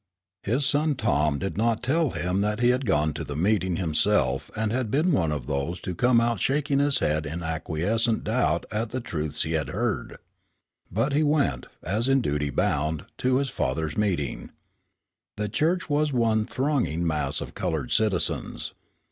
His son Tom did not tell him that he had gone to the meeting himself and had been one of those to come out shaking his head in acquiescent doubt at the truths he had heard. But he went, as in duty bound, to his father's meeting. The church was one thronging mass of colored citizens.